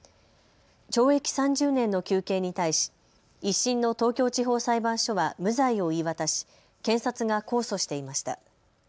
懲役３０年の求刑に対し１審の東京地方裁判所は無罪を言い渡し検察が控訴していました。